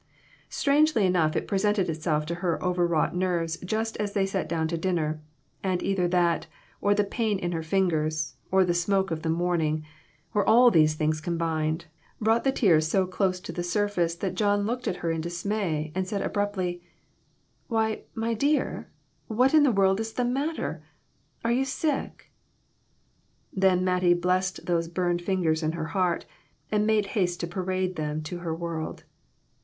Strangely enough it presented itself to her overwrought nerves just as they sat down to dinner; and either that, or the pain in her fingers, or the smoke of the morning, or all these things combined, brought the tears so close to the sur face that John looked at her in dismay, and said abruptly " Why, my dear, what in the world is the mat ter ? Are you sick ?" Then Mattie blessed those burned fingers in her heart, and made haste to parade them to her world.